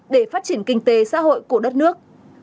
để phát triển kinh tế xã hội của đất nước